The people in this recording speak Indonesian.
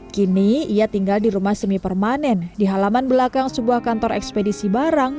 kini ia tinggal di rumah semi permanen di halaman belakang sebuah kantor ekspedisi barang